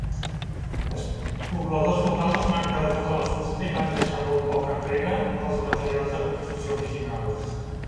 Els pobladors locals es van quedar tota la fusta i van deixar molt poc enrere dels materials de construcció originals.